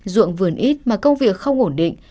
ruộng vườn ít mà công việc không ổn định